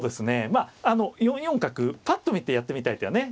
まあ４四角ぱっと見てやってみたい手はね